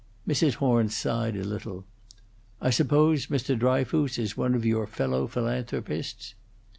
Mrs. Horn sighed a little. "I suppose Mr. Dryfoos is one of your fellow philanthropists?"